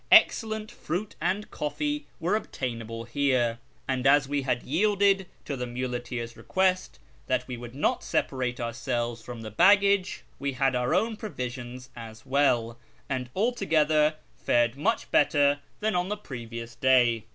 Excellent fruit and coffee were obtainable here ; and as we had yielded to the muleteers' request that we would not separate ourselves from the baggage, we had our own provisions as well, and altogether fared much better than on tlie previous day.